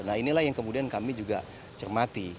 nah inilah yang kemudian kami juga cermati